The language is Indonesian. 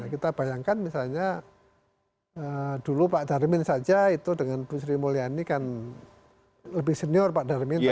kita bayangkan misalnya dulu pak darmin saja itu dengan bu sri mulyani kan lebih senior pak darmin